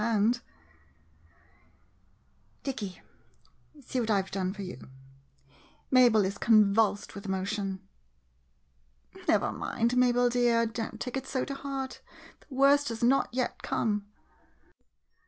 ] 6 CUPID PLAYS COACH Dicky, see what I Ve done for you ! Mabel is convulsed with emotion. Never mind, Mabel dear — don't take it so to heart — the worst has not yet come